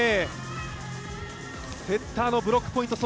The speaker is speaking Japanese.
セッターのブロックポイント。